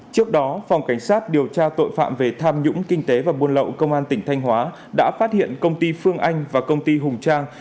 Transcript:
trước đó phòng cảnh sát điều tra tội phạm về tham nhũng kinh tế và buôn lậu công an tỉnh thanh hóa đã phát hiện công ty phương anh và công ty hùng trang